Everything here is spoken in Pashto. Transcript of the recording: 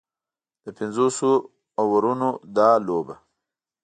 د پنځوسو اورونو دا لوبه